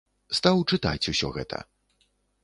Стаў чытаць усё гэта.